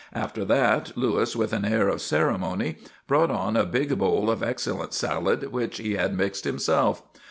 After that, Louis, with an air of ceremony, brought on a big bowl of excellent salad which he had mixed himself.